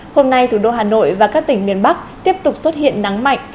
hôm nay thủ đô hà nội và các tỉnh miền bắc tiếp tục xuất hiện nắng mạnh